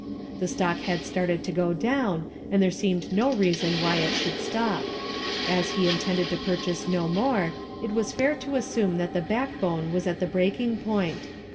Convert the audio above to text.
The stock had started to go down and there seemed no reason why it should stop. As he intended to purchase no more it was fair to assume that the backbone was at the breaking point.